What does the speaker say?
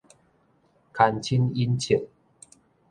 牽親引戚